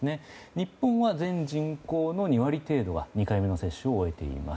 日本は全人口の２割程度が２回目の接種を終えています。